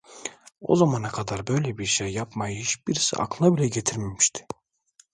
O zamana kadar böyle bir şey yapmayı hiçbirisi aklına bile getirmemişti.